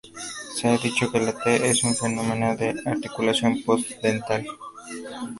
Se ha dicho que la "T" es un fonema de articulación post-dental.